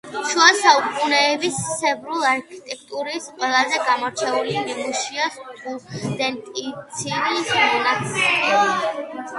შუა საუკუნეების სერბული არქიტექტურის ყველაზე გამორჩეული ნიმუშია სტუდენიცის მონასტერი.